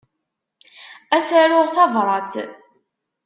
Ad s-aruɣ tabrat.